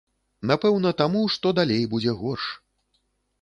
Напэўна, таму, што далей будзе горш.